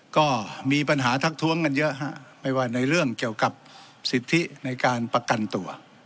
ก็มีปัญหาทักท้วงกันเยอะฮะไม่ว่าในเรื่องเกี่ยวกับสิทธิในการประกันตัว